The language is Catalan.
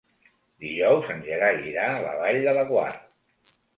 Dijous en Gerai irà a la Vall de Laguar.